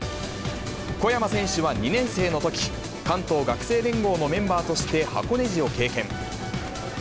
小山選手は２年生のとき、関東学生連合のメンバーとして箱根路を経験。